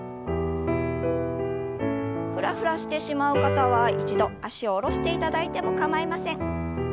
フラフラしてしまう方は一度脚を下ろしていただいても構いません。